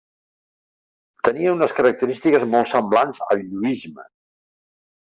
Tenia unes característiques molt semblants al lluïsme.